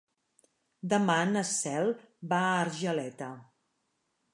Demà na Cel va a Argeleta.